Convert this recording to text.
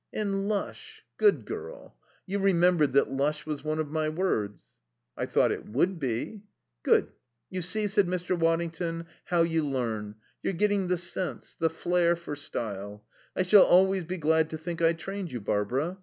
"And 'lush.' Good girl. You remembered that 'lush' was one of my words?" "I thought it would be." "Good. You see," said Mr. Waddington, "how you learn. You're getting the sense, the flair for style. I shall always be glad to think I trained you, Barbara....